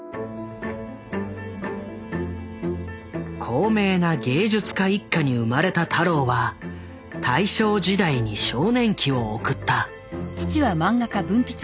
高名な芸術家一家に生まれた太郎は大正時代に少年期を送った。